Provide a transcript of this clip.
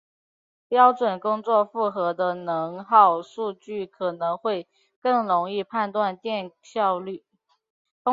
标准工作负荷的能耗数据可能会更容易判断电效率。